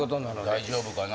大丈夫かな。